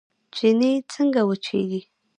چينې څنګه وچیږي؟